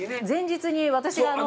前日に、私が。